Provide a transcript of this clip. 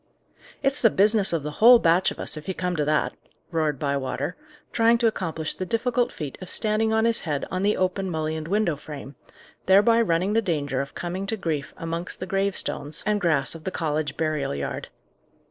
"It's the business of the whole batch of us, if you come to that!" roared Bywater, trying to accomplish the difficult feat of standing on his head on the open mullioned window frame, thereby running the danger of coming to grief amongst the gravestones and grass of the College burial yard.